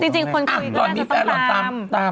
จริงคนคุยกันแล้วจะต้องตาม